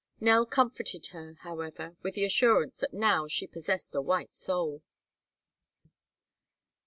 Nell comforted her, however, with the assurance that now she possessed a white soul.